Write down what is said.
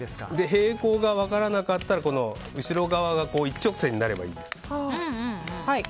平衡が分からなかったら後ろ側が一直線になればいいです。